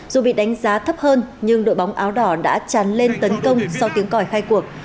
dù bị đánh giá thấp hơn nhưng đội bóng áo đỏ đã tràn lên tấn công sau tiếng còi khai cuộc